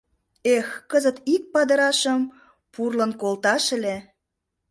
Эх, кызыт ик падырашым пурлын колташ ыле!